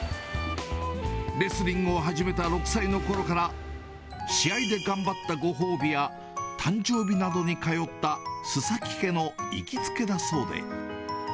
レスリングを始めた６歳のころから、試合で頑張ったご褒美や、誕生日などに通った須崎家の行きつけだそうで。